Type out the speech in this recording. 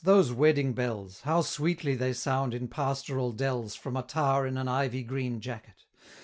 those wedding bells! How sweetly they sound in pastoral dells From a tow'r in an ivy green jacket!